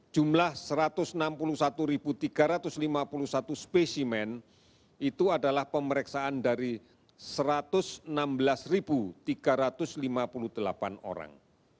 jumlah satu ratus enam puluh satu tiga ratus lima puluh satu spesimen itu adalah pemeriksaan dari satu ratus enam belas tiga ratus lima puluh delapan orang